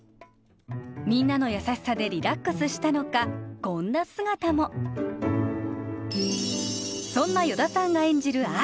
みんなの優しさでリラックスしたのかこんな姿もそんな与田さんが演じる愛